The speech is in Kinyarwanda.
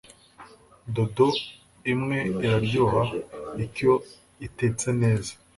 dodo imwe iraryoha ikyo itetse neza